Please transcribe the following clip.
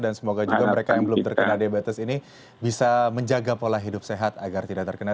dan semoga juga mereka yang belum terkena diabetes ini bisa menjaga pola hidup sehat agar tidak terkena